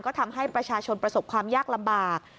ก็ทำให้ประชาชนประสบความยากลำบาก